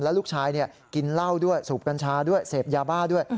ลูกชายกินเหล้าด้วยสูบกัญชาด้วยเสพยาบ้าด้วย